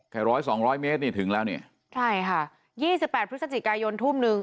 ร้อยสองร้อยเมตรนี่ถึงแล้วนี่ใช่ค่ะยี่สิบแปดพฤศจิกายนทุ่มหนึ่ง